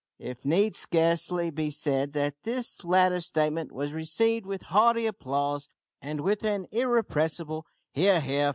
It need scarcely be said that this latter statement was received with hearty applause and with an irrepressible "he ar, he ar!"